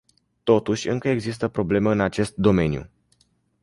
Totuși, încă există probleme în acest domeniu.